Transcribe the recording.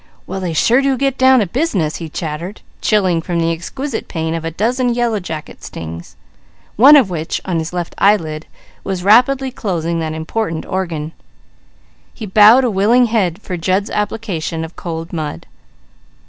"Well they sure do get down to business," he chattered, chilling from the exquisite pain of a dozen yellow jacket stings, one of which on his left eyelid was rapidly closing that important organ. He bowed a willing head for Jud's application of cold mud.